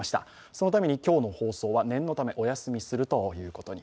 そのために今日の放送は念のため、お休みするということに。